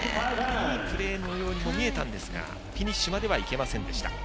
いいプレーのようにも見えましたがフィニッシュまでは行けませんでした。